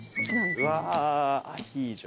うわアヒージョ。